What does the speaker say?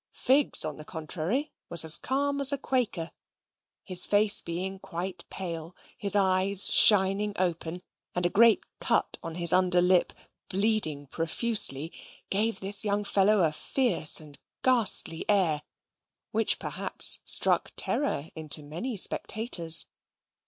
Figs, on the contrary, was as calm as a quaker. His face being quite pale, his eyes shining open, and a great cut on his underlip bleeding profusely, gave this young fellow a fierce and ghastly air, which perhaps struck terror into many spectators.